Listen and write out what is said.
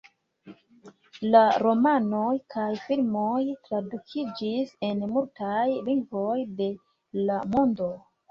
La romanoj kaj filmoj tradukiĝis en multaj lingvoj de la mondo.